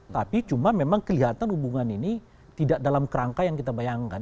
tapi cuma memang kelihatan hubungan ini tidak dalam kerangka yang kita bayangkan